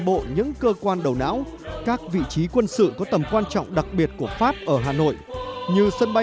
bộ những cơ quan đầu não các vị trí quân sự có tầm quan trọng đặc biệt của pháp ở hà nội như sân bay